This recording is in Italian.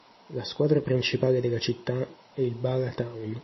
La squadra principale della città è il Bala Town.